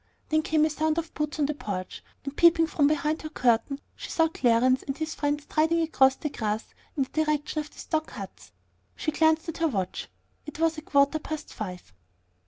Then came a sound of boots on the porch; and peeping from behind her curtain, she saw Clarence and his friend striding across the grass in the direction of the stock huts. She glanced at her watch. It was a quarter past five.